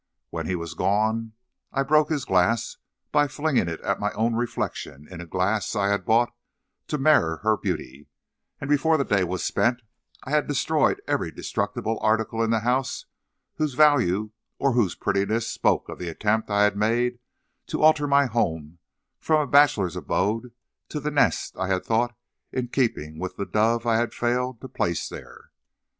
When he was gone, I broke his glass by flinging it at my own reflection, in a glass I had bought to mirror her beauty; and before the day was spent, I had destroyed every destructible article in the house whose value or whose prettiness spoke of the attempt I had made to alter my home from a bachelor's abode to the nest I had thought in keeping with the dove I had failed to place there.